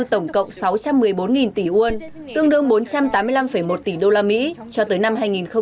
tổng cộng sáu trăm một mươi bốn tỷ won tương đương bốn trăm tám mươi năm một tỷ usd cho tới năm hai nghìn hai mươi